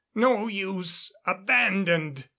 "No use! Abandoned!"